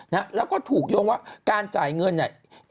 นะฮะแล้วก็ถูกโยงว่าการจ่ายเงินเนี่ย